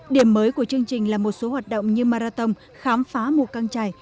điểm mới của chương trình là một số hoạt động như marathon khám phá mù căng trải